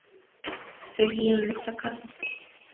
Seguían los fracasos.